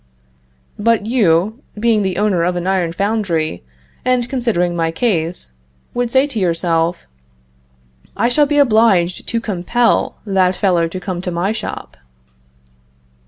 But you, being the owner of an iron foundry, and considering my case, would say to yourself: "I shall be obliged to compel that fellow to come to my shop."